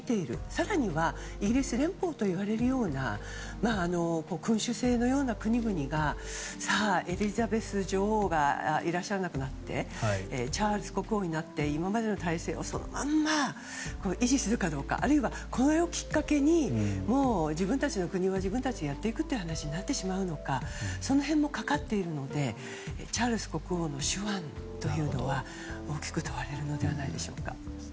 更にはイギリス連邦といわれるような君主制のような国々がさあ、エリザベス女王がいらっしゃらなくなってチャールズ国王になって今までの体制をそのまま維持するかどうかあるいは、これをきっかけにもう自分たちの国は自分たちがやっていくという話になってしまうのかその辺もかかってるのでチャールズ国王の手腕というのは大きく問われるのではないでしょうか。